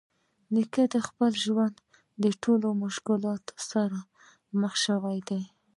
نیکه د خپل ژوند د ټولو مشکلاتو سره مخامخ شوی دی.